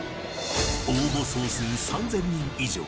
応募総数３０００人以上。